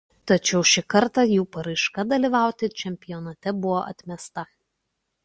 Tačiau šį kartą jų paraiška dalyvauti čempionate buvo atmesta.